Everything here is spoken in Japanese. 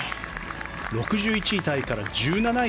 ６１位タイから１７位